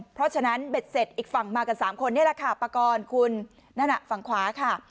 เพราะฉะนั้นเบ็ดเสร็จอีกฝั่งมากัน๓คนนี่แหละค่ะปากรคุณนั่นน่ะฝั่งขวาค่ะ